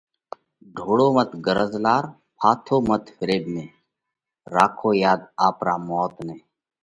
ڍوڙو مت غرض لار، ڦاٿو مت فريٻ ۾، راکو ياڌ آپرا موت نئہ!